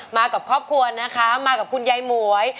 มากับครอบครัวนะคะมากับคุณยายหมวย